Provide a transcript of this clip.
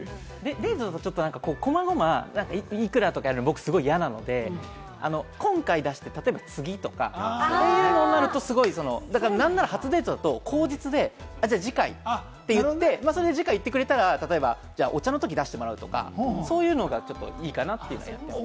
デートで細々幾らとかやるのすごく嫌なので、今回は出して次とか、そういうのになると、なんなら初デートだと口実で次回って言って、それで次回言ってくれたら、お茶のとき出してもらうとか、そういうのがいいかなって思います。